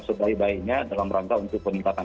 sebaik baiknya dalam rangka untuk peningkatan